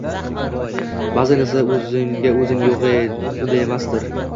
Ba’zan esa o‘zimga o‘zim: «Yo‘g‘-e, unday emasdir!